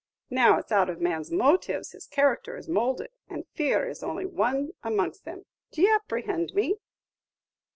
Now, it's out of man's motives his character is moulded, and fear is only one amongst them. D' ye apprehend me?"